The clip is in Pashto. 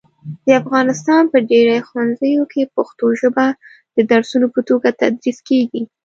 د افغانستان په ډېری ښوونځیو کې پښتو ژبه د درسونو په توګه تدریس کېږي.